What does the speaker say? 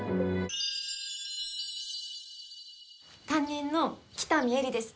担任の北見絵里です